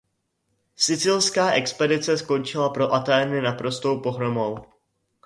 Sicilská expedice skončila pro Athény naprostou pohromou.